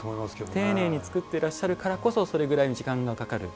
丁寧に作ってほしいからこそそれぐらいの時間がかかる。